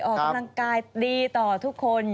ออกกำลังกายดีต่อทุกคน